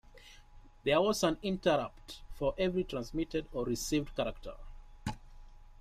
There was an interrupt for every transmitted or received character.